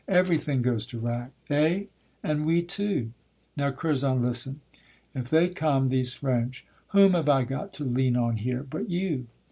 Everything goes to rack eh! and we too. Now, Curzon, listen; if they come, these French, Whom have I got to lean on here, but you?